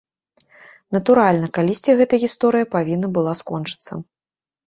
Натуральна, калісьці гэта гісторыя павінна была скончыцца.